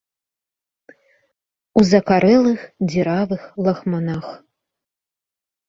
У закарэлых дзіравых лахманах.